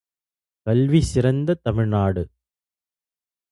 கல்வி சிறந்த தமிழ்நாடு